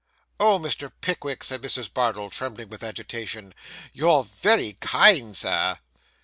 'Oh, Mr. Pickwick,' said Mrs. Bardell, trembling with agitation, 'you're very kind, sir.